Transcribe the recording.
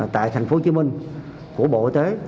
tại thành phố hồ chí minh của bộ y tế